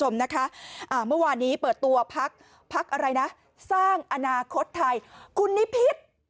เมื่อวานนี้เปิดตัวพักพักอะไรนะสร้างอนาคตไทยคุณนิพิษ